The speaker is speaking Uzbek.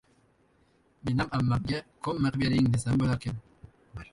Menam ammamga ko‘mma qibering desam bo‘Iarkan.